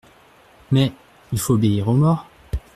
Mais … Il faut obéir aux morts.